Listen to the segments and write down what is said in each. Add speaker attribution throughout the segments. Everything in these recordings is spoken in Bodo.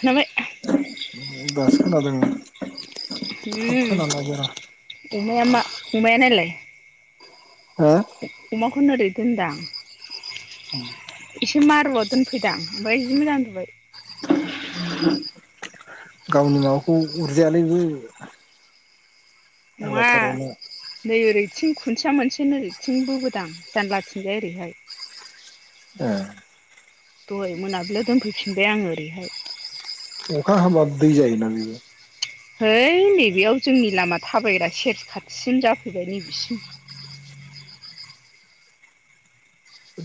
Speaker 1: खोनाबाय
Speaker 2: दासो खोनादों। थाब खोनानो नागिरा
Speaker 1: [unintelligible]
Speaker 2: हो
Speaker 1: अमाखौनो ओरै दोनदां एसे मारुआव दोनफैदां ओमफ्राय जि मोजां उन्दुबाय।
Speaker 2: गावनि माबाखौ उरजायालै बियो।
Speaker 1: नङा दै [unintelligible] [unintelligible] खुन्थिया मोनसे नोरैथिं बोबोदां जानलाथिंजाय ओरैहाय।
Speaker 2: ए
Speaker 1: दहाय मोनाबिलियाव दोनफैफिनबाय आंङो ओरैहाय।
Speaker 2: अखा हाबाबो दै जायो ना बियो।
Speaker 1: है नैबेयाव जोंनि लामा थाबायग्रा सेर खाथिसिन जाफैबाय नैबेसिम।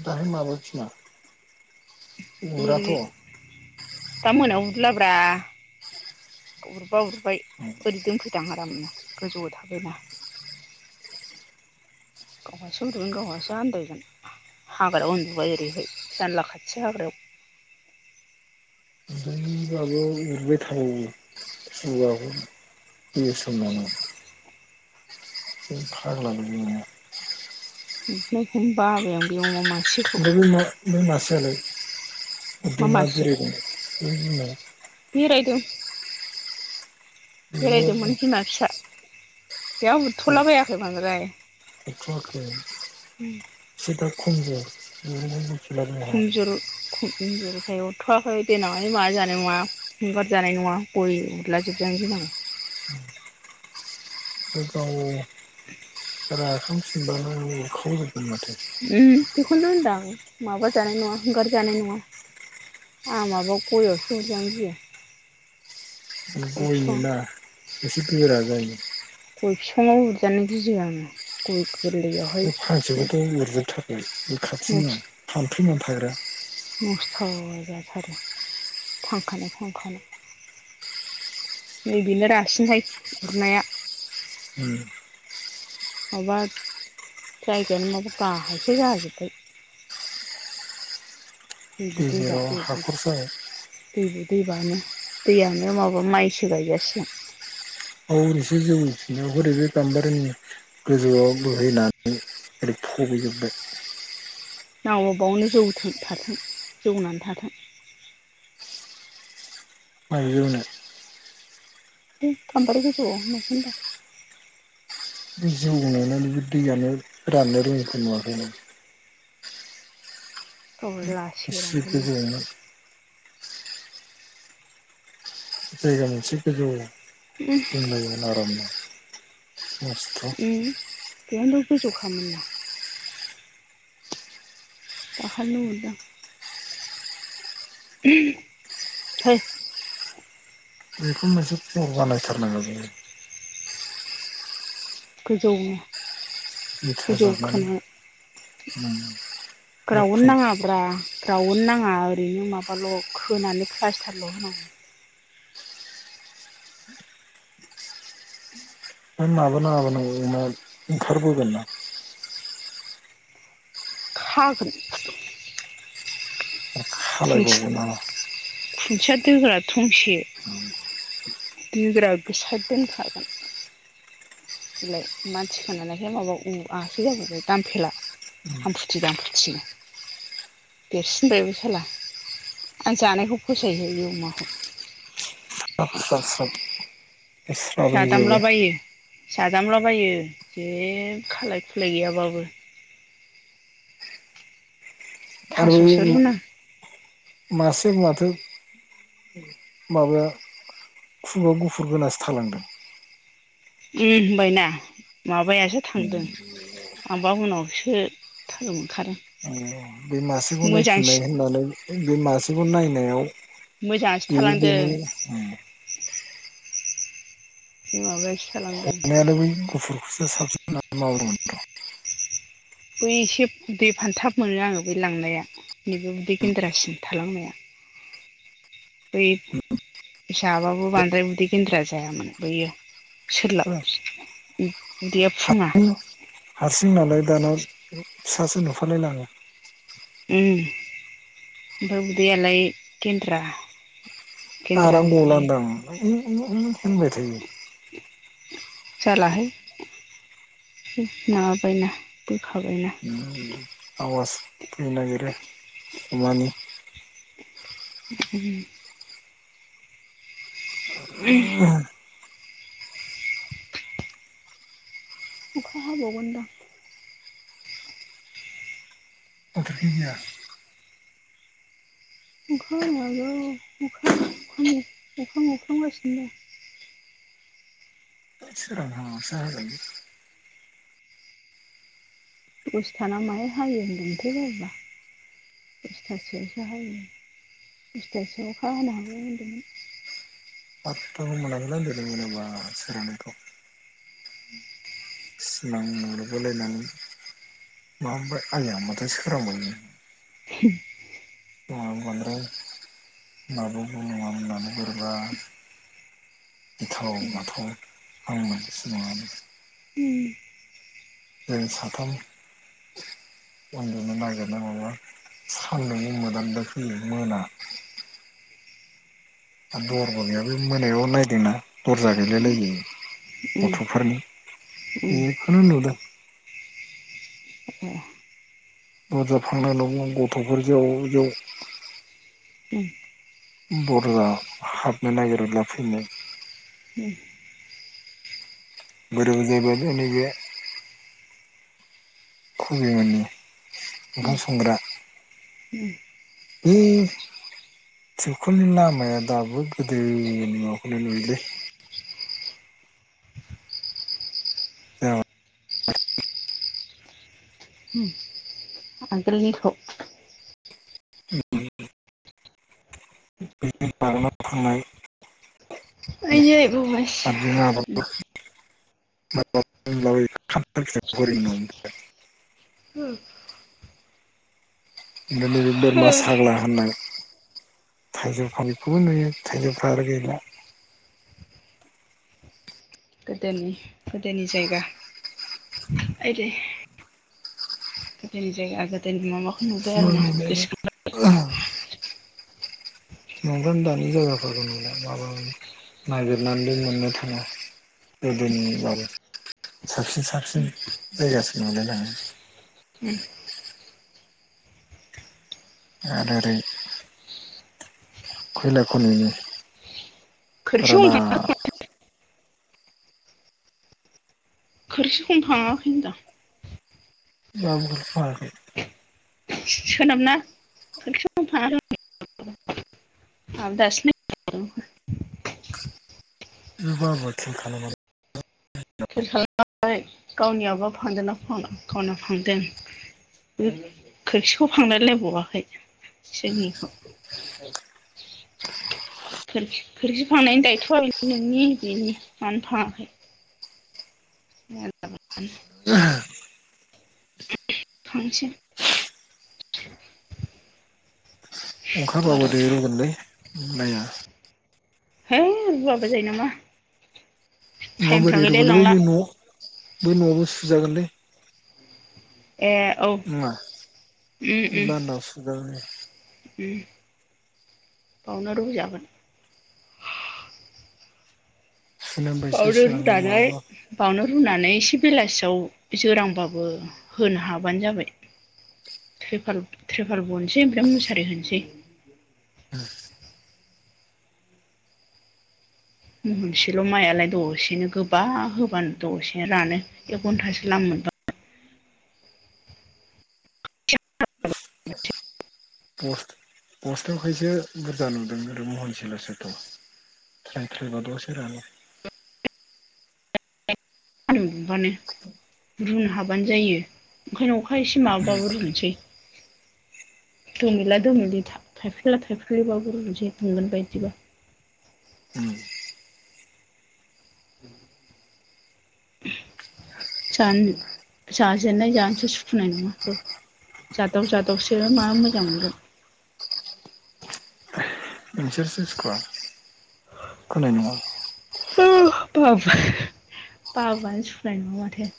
Speaker 2: दाहाय माबा खिना
Speaker 1: ओरै
Speaker 2: उराथ'
Speaker 1: दा मोनायाव उरलाब्रा। उरबा उरबाय ओरै दोनफैदां आरामनो गोजौआव थाबायना। [unintelligible] गावहासो उन्दुगोन गावहासो आन्दायगोन। हाग्रायाव उन्दुबाय ओरैहाय जानला खाथि हाग्रायाव
Speaker 2: [unintelligible] बे समावनो बे फाग्ला बोरनाया
Speaker 1: ओमफ्राय खम बाबाय आं बे अमा मा
Speaker 2: ओमफ्राय बै मा बै मासेयालाय
Speaker 1: मा
Speaker 2: उरदों ना
Speaker 1: मासे
Speaker 2: जिरायदों बे बिमाया
Speaker 1: बेरायदों
Speaker 2: बेबो
Speaker 1: बेरायदोंमोन बिमा फिसा बेयाव उरथ'ला बायाखै बांद्राय
Speaker 2: एथ' आरोखि एसे दा खम जायाखै [unintelligible]
Speaker 1: खमजरु खम जरखायाव उरथ'वाखै देनांहाय मारै जानाय नङा हगार जानाय नङा गय उदला जोबजानो गिनां [unintelligible]
Speaker 2: बे गाव
Speaker 1: [inaudible]
Speaker 2: राखांफिनबानो उरखावजोब
Speaker 1: उम बेखौनोथ' होनदों आं माबा जानाय नङा हंगार जानाय नङा आंहा माबा गयावसो उरजानो गियो
Speaker 2: गय मोनला एसे बेरा जायो
Speaker 1: गय बिफाङाव उरजानो गियो आङो गय
Speaker 2: बे
Speaker 1: गोरलैयावहाय
Speaker 2: फांसेखौथ' उरजोबथारबाय बे खाथिनिया थामफै मोनफाग्रा
Speaker 1: नस्थ' जाथारो थांखानाय थांखानाय नैबेनो रासिनहाय उरनाया
Speaker 2: उम
Speaker 1: माबा जायगायानो माबा गाहायसो जाजोब्बाय
Speaker 2: गेजेराव हाखर जाबाय
Speaker 1: [unintelligible] दैबानो दैयानो माबा माइसो गायजासिगोन
Speaker 2: औरै एसे जौरि गाम्बारिनि गोजौआव बोहैनानै ओरै फबैजोबबाय
Speaker 1: नावबावनो जौथों थाथों जौनानै थाथों
Speaker 2: मारै‌ ज'नाय
Speaker 1: गामबारि गोजौआव होनायखौ होनदों आं
Speaker 2: जौ नुनानैबो दैयानो राननो रोङैखौ नुवाखै आं
Speaker 1: गावरा लासै
Speaker 2: बिसोर
Speaker 1: रानगोन
Speaker 2: इखो जाया ना जायगा मोनसे गोजौ
Speaker 1: उम
Speaker 2: दोनलायोमोन आरामनो मस्थ'
Speaker 1: बेयावनो गोजौ खामोनना [unintelligible] होय
Speaker 2: बेखौ मोनसे फर बानायथारनांगौ बे
Speaker 1: गोजौ
Speaker 2: बिथा जाबनानै उम
Speaker 1: ग्राउन नाङा ब्रा ग्राउन नाङा ओरैनो माबाल' खोनानै प्लास्टारल' होनांगौ
Speaker 2: माबा नाङाबा नांगौ जायोना ओंखारबोगोन ना
Speaker 1: खागोन। खुन्थि
Speaker 2: खालायबावगोन नामा
Speaker 1: खुन्थिया दोग्रा थंसे दोग्रा खो साइड दोनखागोन बिलाय मानसि खानायखाय माबा उ आसो जाबोबाय दामफेला हामफुथि दामफुथि देरसिनबायबो साला आं जानायखौ फसायहो बे अमाखौ
Speaker 2: साब स्राब स्राब ए स्राब ओय जोबो।
Speaker 1: जाजामलाबायो जे खालाय खुलाय गैयाबाबो।
Speaker 2: आरो
Speaker 1: थास'सो रुना
Speaker 2: मासे माथो माबाया खुगा गुफुर गोनाङासो थालांदों।
Speaker 1: उम होनबायना माबायासो थांदों। आंबा उनावसो थाल मोनखादों।
Speaker 2: बे मासेखौ नायफिननाय
Speaker 1: मोजांसिन
Speaker 2: होननानै बे मासेखौ नायनायाव
Speaker 1: मोजाङासो
Speaker 2: बेबो
Speaker 1: थालांदों
Speaker 2: बेनो।
Speaker 1: बे माबा एस
Speaker 2: हमनायाल बै गुफुरखौसो साबसिन होननानै माबादोंमोन थ'
Speaker 1: बै एसे उदै फानथाब मोनो आङो बे लांनाया। नैबे उदै गेन्द्रासिन थालांनाया। बै हिसाबाबो बांद्राय उदै गेन्द्रा जायामोन बैयो। सोरलाब उदैया फुङा।
Speaker 2: हारसिं हारसिं नालाय दाना फिसासो नुफालाय लाङो।
Speaker 1: उम ओमफाय उदैयालाय गेन्द्रा।
Speaker 2: आराम
Speaker 1: गेन्द्रानो बियो
Speaker 2: गलादां उ उ होनबाय थायो।
Speaker 1: जालाहाय एसे माबाबायना बै
Speaker 2: आवाज फैनोनागिरो अमानि।
Speaker 1: उम उम अखा हाबावगोन दां।
Speaker 2: बिया
Speaker 1: अखा हानोहागौ अखा अख्रांङा अखा मोफ्लामगासिनो दं।
Speaker 2: अ' सा होबाय?
Speaker 1: दसेथाना माया हायो होनदोंथाय बाबुवा? दस्थासोआवसो हायो। दस्थासोआव अखा हानो हागौ होनदोंमोन।
Speaker 2: म'स्थ [unintelligible]
Speaker 1: [inaudible]
Speaker 2: सिमां नुगुरलाय लाङो। माफ्राय आया माथो सोरांबाय।
Speaker 1: [unintelligible]
Speaker 2: फुङावबो बांद्राय माबाबुन मानगुरबा गिथाव बाथाव थारमोन सिमाङानो। जों साथाम
Speaker 1: [inaudible]
Speaker 2: उन्दुनो नागिरनाय नङा सान्दुंनि मोदानाय फैयो मोना आरो दरबो गैया बे मोनायाव नायदोंना दर्जा गैलायलायै। गथ'फोरनि बेखौनो नुदों। दरजा फांनायल' गथ'फोर जेव जेव
Speaker 1: आगोलनिखौ
Speaker 2: बुरजा हाबनो नागिरोब्ला फैनाय
Speaker 1: उम
Speaker 2: मोदोम जेबोआनो गाननाय गैया। खुलिनायनि ओंखाम संग्रा बे थिबखलनि लामाया दाबो गोदोनि माबाखौ नुयोलै। औ
Speaker 1: उम आगोलनिखौ।
Speaker 2: [unintelligible] [unintelligible]
Speaker 1: आयै बुबायसो
Speaker 2: [unintelligible] [unintelligible]
Speaker 1: होम
Speaker 2: ओमफ्राय नैबे बोरमा साग्ला होननानै थाइजौ फांनैखौबो नुयो थाइजौफ्रानो गैला
Speaker 1: गोदोनि गोदोनि जायगा आयदै गोदोनि जायगा गोदोनि माबाखौ नुबाय
Speaker 2: सिमां
Speaker 1: आरमा
Speaker 2: नुलायला
Speaker 1: गोसोखांबाय
Speaker 2: [unintelligible] [unintelligible]
Speaker 1: [unintelligible]
Speaker 2: आरो ओरै खौला खनानि
Speaker 1: खोरखि
Speaker 2: फुराना
Speaker 1: हमखां खोरखिखौनो फाङाखै होनदां
Speaker 2: [unintelligible]
Speaker 1: [unintelligible]
Speaker 2: [unintelligible]
Speaker 1: [unintelligible] उम खोरखिखौ फांलायलायबावाखै जोंनिखौ [inaudible] खोरखि खोरखि फांनायनि दायथ'आ नोंनि बेनि मानो फांङा [unintelligible] [unintelligible]
Speaker 2: अखा हाबाब दै
Speaker 1: बार'था
Speaker 2: रोंगोनलै माया
Speaker 1: है रुवाबा जायो नामा? टाइमफ्रा
Speaker 2: माबोरै
Speaker 1: गैलायलांला
Speaker 2: रुगोनलै बै न'आवबो सुजागोनलै
Speaker 1: ए औ
Speaker 2: नंङा
Speaker 1: उम
Speaker 2: बै
Speaker 1: उम
Speaker 2: लानदाङाव सुजागोन बे
Speaker 1: उम बावनो रुजागोन
Speaker 2: सुनो ओमफ्रायसो
Speaker 1: बावनो
Speaker 2: सुनांगोन
Speaker 1: रुनानै
Speaker 2: नङाबा
Speaker 1: बावनो रुनानै एसे बेलासियाव जोरांबाबो होनो हाबानो जाबाय त्रिपाल त्रिपाल बनोसै ओमफ्राय मुसारि होनोसै मोनसेल' माइ आलाय दसेनो गोबा होबानो दसेनो रानो एक घन्टासो लामनो मोनब्लानो
Speaker 2: बस बस्टआवखायसो बुरजा नुदों आरो महनसेल'सोथ' थ्राय थ्राय बा दसेनो रानो
Speaker 1: [inaudible] मोनबानो रुनो हाबानो जायो ओंखायनो अखा एसे
Speaker 2: उम
Speaker 1: माबाबाबो रुनोसै [inaudible] दोमिला दोमिलि था-थाइफ्रिला थाइफ्रिलिबाबो रुनोसै दुंगोन बायदिबा
Speaker 2: [inaudible]
Speaker 1: [inaudible] जा जाजेनन्नाय जानोसो सुखुनाय नङा जादाव जादावसो मा मोजां मोनगोन।
Speaker 2: नोंसोरसो सुखुवा सुखुनाय नङा।
Speaker 1: औ बाब बाबुआनो सुनाय नङा माथो।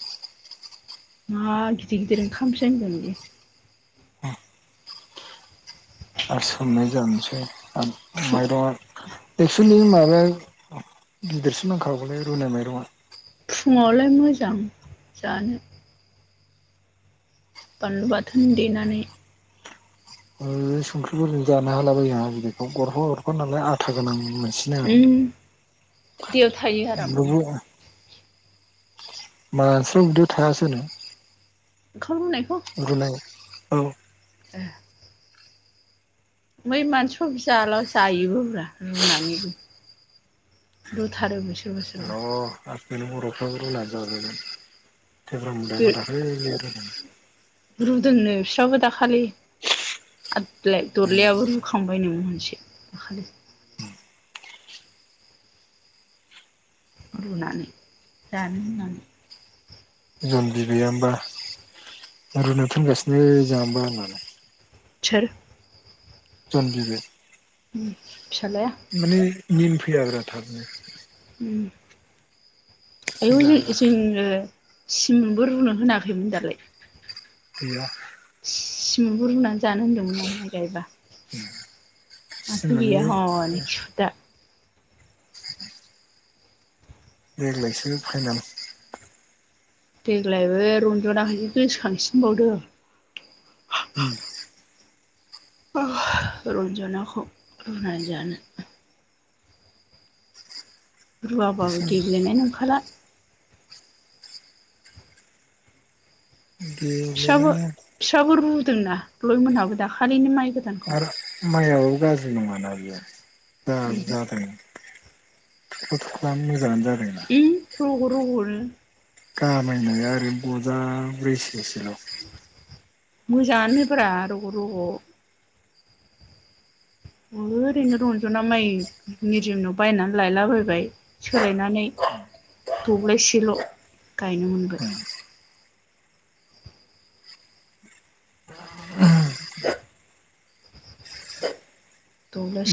Speaker 1: मा गिदिर गिदिर ओंखामसो होनगोन बियो।
Speaker 2: आरो सोमनाय जानोसै आरो
Speaker 1: बियो
Speaker 2: माइरंआ। एक्सुलि माबाया गिदिरसिन नांखागौलाय रुनाय माइरंआ।
Speaker 1: फुङावलाय मोजां जानो। बानलु बाथोन देनानै।
Speaker 2: ओ संख्रिफोरजों जानो हाला बायो आहा बिदिखौ गरफा गरफा नालाय आथा गोनां नो
Speaker 1: उम्म। दैयाव थायो आरामनो।
Speaker 2: मानसिनि उदैयाव थायासोनो।
Speaker 1: [unintelligible] बुंनायखौ
Speaker 2: रुनाय औ।
Speaker 1: [inaudible] बै [unintelligible] जायोबो ब्रा रुनानैबो दुथारोबो सोरबा सोरबा
Speaker 2: [unintelligible] बर'फ्राबो रुनानै जाजोगोन थेब्रा [unintelligible] [inaudible]
Speaker 1: रुदोंनो बिस्राबो दाखालि आदलाय दरलायाबो रुखांबाय नो [unintelligible] दाखालै रुनानानै दानो होननानै
Speaker 2: जन बिबैयानोबा रुनो थिनगासिनो जाहानोबा होननानै
Speaker 1: सोर?
Speaker 2: जन बिबै।
Speaker 1: [inaudible]
Speaker 2: माने निन फैयाग्रा थाबनो
Speaker 1: आयौ
Speaker 2: जाब्रा
Speaker 1: [unintelligible] सिमबो रुनो होनाखैमोन दालाय
Speaker 2: गैया।
Speaker 1: सिमुंबो रुनानै जानो होन्दोंमोन ना माइ गायबा। माथो
Speaker 2: सिमांनि
Speaker 1: गैया हनै खिफोद्दा
Speaker 2: [inaudible] देगलायसो फाइनाल
Speaker 1: देग्लायबो रन्जनाखौ जि गोसोखांसिनबावदो।
Speaker 2: उम्म।
Speaker 1: रनज'नाखौ रुनानै जानो रुवाबाबो
Speaker 2: एसे
Speaker 1: गेब्लेनाय नंखाला। फिसाबो
Speaker 2: गेलेनाङा
Speaker 1: फिसाबो रुदोंना लयमोनहाबो दाखालिनि माइ गोदानखौ
Speaker 2: आरो माइआबो गाज्रि नङाना बियो जा
Speaker 1: उम
Speaker 2: जादों। थुख्ल' थुख्लानो मोजांङा जादों।
Speaker 1: उम्म रग' रग'नो।
Speaker 2: खामायनाया आरैनो बजाब्रैसेसोल'।
Speaker 1: मोजाङानोब्रा रग' रग'। ओरैनो रन्जना माइ निजोमनाव बायनानै लायलाबायबाय सोलायनानै दबलायसेल' गायनो मोनबाय। दबलाय